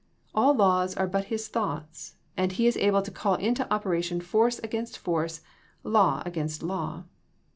All laws are but His thoughts, and He is able to call into operation force against force, law against law.